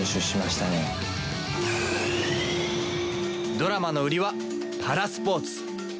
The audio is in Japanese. ドラマの売りはパラスポーツ。